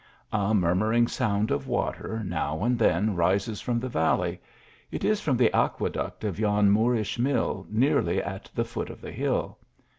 A murmuring sound of water now and then rises from the valley. It is from the aqueduct of yon Moorish mill nearly at the foot of the hill.